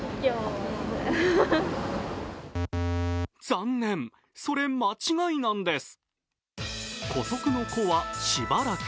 残念、それ間違いなんです。